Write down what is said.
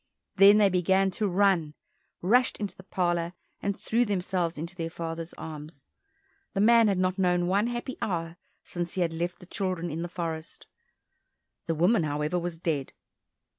Then they began to run, rushed into the parlour, and threw themselves into their father's arms. The man had not known one happy hour since he had left the children in the forest; the woman, however, was dead.